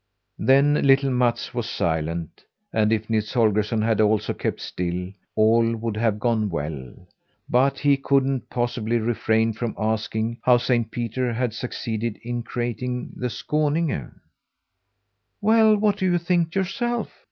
Then little Mats was silent; and if Nils Holgersson had also kept still, all would have gone well; but he couldn't possibly refrain from asking how Saint Peter had succeeded in creating the Skåninge. "Well, what do you think yourself?"